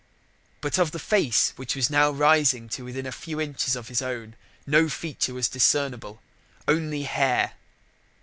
But of the face which was now rising to within a few inches of his own no feature was discernible, only hair.